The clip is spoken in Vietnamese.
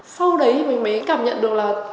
sau đấy mình mới cảm nhận được là